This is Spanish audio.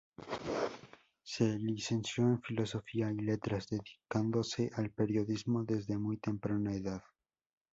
Se licenció en Filosofía y Letras, dedicándose al periodismo desde muy temprana edad.